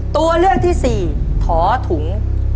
ตัวเลือกที่สี่ถอถุง